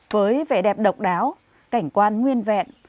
với vẻ đẹp độc đáo cảnh quan nguyên vẹn